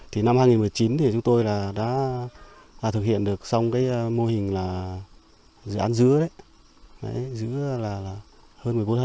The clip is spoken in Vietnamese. thì năm hai nghìn một mươi chín thì chúng tôi là đã thực hiện được xong cái mô hình là dự án dứa đấy dứa là hơn một mươi bốn ha